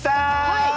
はい！